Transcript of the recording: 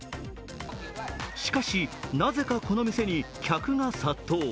しかし、なぜかこの店に客が殺到。